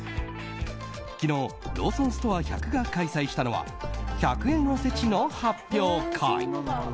昨日、ローソンストア１００が開催したのは１００円おせちの発表会。